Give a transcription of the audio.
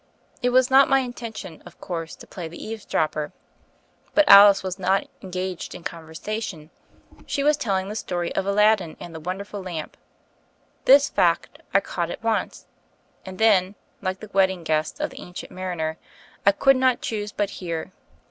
It was not my intention, of course, to play the eavesdropper. But Alice was not engaged in conversation : she was telling the story of Alad din and the Wonderful Lamp: this fact, I caught at once, and then, like the wedding guest of the Ancient Mariner, "I could not choose but hear."